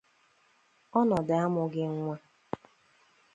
ọnọdụ amụghị nwa